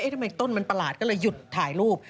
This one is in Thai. ทำไมต้นมันประหลาดก็เลยหยุดถ่ายรูป